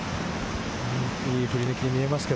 いい振り抜きに見えます。